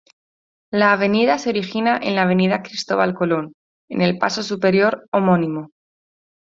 La avenida se origina en la Avenida Cristóbal Colón, En el Paso Superior homónimo.